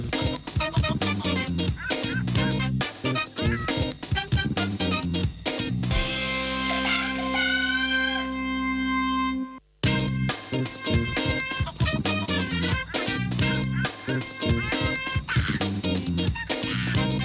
สวัสดีครับ